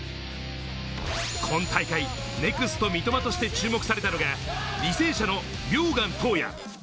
今大会、ネクスト三笘として注目されたのが履正社の名願斗哉。